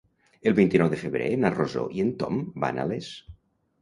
El vint-i-nou de febrer na Rosó i en Tom van a Les.